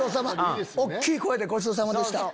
大きい声でごちそうさまでした！